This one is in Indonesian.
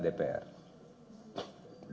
dengan uang yang beratnya